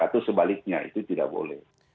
atau sebaliknya itu tidak boleh